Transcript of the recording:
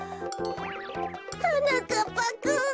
はなかっぱくん。